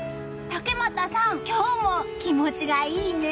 竹俣さん、今日も気持ちがいいね。